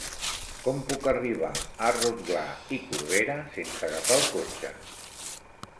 Com puc arribar a Rotglà i Corberà sense agafar el cotxe?